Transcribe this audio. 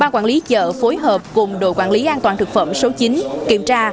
ba quản lý chợ phối hợp cùng đội quản lý an toàn thực phẩm số chín kiểm tra